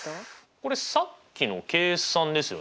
これさっきの計算ですよね？